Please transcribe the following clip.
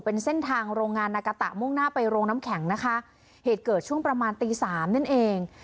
เป็นเส้นทางโรงงานนากาตะมุ่งหน้าไปโรงน้ำแข็งนะคะเหตุเกิดช่วงประมาณตีสามนั่นเอง